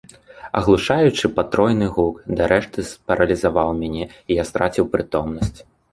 Аглушаючы патройны гук дарэшты спаралізаваў мяне, і я страціў прытомнасць.